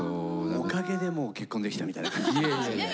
おかげでもう結婚できたみたいな感じですよねはい。